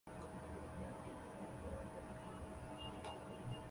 而私人持股公司将以现行股价收益比定价。